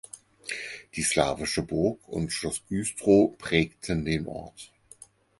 Die slawische Burg und Schloss Güstrow prägten den Ort.